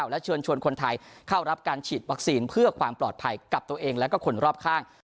และเชิญชวนคนไทยเข้ารับการฉีดวัคซีนเพื่อความปลอดภัยกับตัวเองและคนรอบข้าง